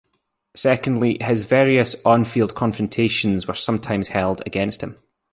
Secondly, his various on-field confrontations were sometimes held against him.